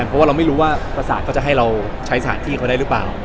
เพราะว่าเราไม่รู้ว่าประสาทเขาจะให้เราใช้สถานที่เขาได้หรือเปล่า